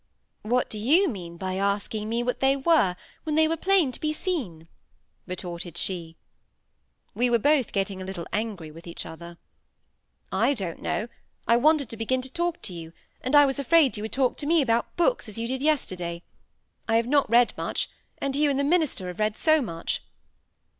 "What do you mean by asking me what they were, when they were plain to be seen?" retorted she. We were both getting a little angry with each other. "I don't know. I wanted to begin to talk to you; and I was afraid you would talk to me about books as you did yesterday. I have not read much; and you and the minister have read so much."